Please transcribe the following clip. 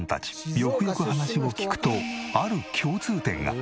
よくよく話を聞くとある共通点が。